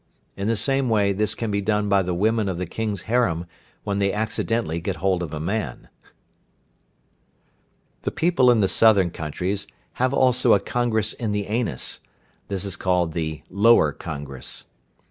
In the same way this can be done by the women of the King's harem when they accidentally get hold of a man. The people in the Southern countries have also a congress in the anus, that is called the "lower congress."